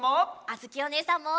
あづきおねえさんも！